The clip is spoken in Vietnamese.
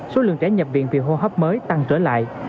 số lượng trẻ nhập viện vì hô hấp mới tăng trở lại